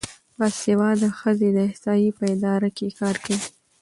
باسواده ښځې د احصایې په اداره کې کار کوي.